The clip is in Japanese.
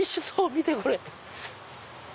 見てこれ。